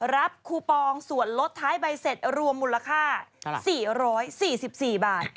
คูปองส่วนลดท้ายใบเสร็จรวมมูลค่า๔๔บาท